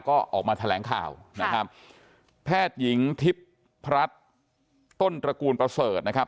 ก็ออกมาแถลงข่าวนะครับแพทย์หญิงทิพย์พระรัฐต้นตระกูลประเสริฐนะครับ